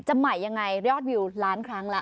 จะใหม่อย่างไรรยอดวิวล้านครั้งละ